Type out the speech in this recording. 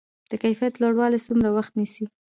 د کیفیت لوړول څومره وخت نیسي؟